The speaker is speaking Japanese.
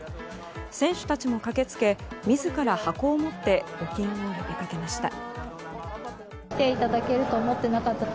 選手たちも駆けつけ、自ら箱を持って募金を呼びかけました。